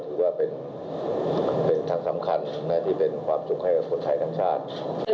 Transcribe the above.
ที่เป็นทางสำคัญที่มันเป็นความชุมคัยทันชาติ